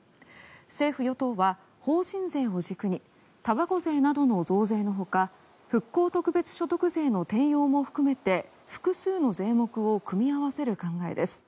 政府・与党は、法人税を軸にたばこ税の増税のほか復興特別所得税の転用も含めて複数の税目を組み合わせる考えです。